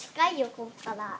ここから。